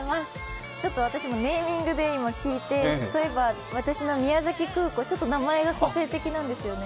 私もネーミングで、そういえば私の宮崎空港、ちょっと名前が個性的なんですよね。